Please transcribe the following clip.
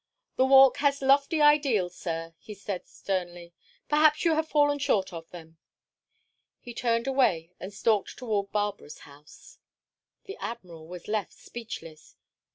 "The Walk has lofty ideals, sir," he said sternly. "Perhaps you have fallen short of them." He turned away and stalked towards Barbara's house. The Admiral was left speechless.